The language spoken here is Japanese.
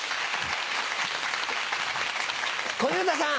小遊三さん。